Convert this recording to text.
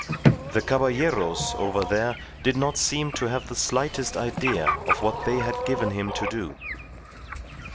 The Caballeros over there did not seem to have the slightest idea of what they had given him to do.